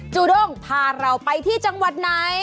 ูด้งพาเราไปที่จังหวัดไหน